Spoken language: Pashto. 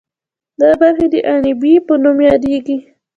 دا برخه د عنبیې په نوم یادیږي.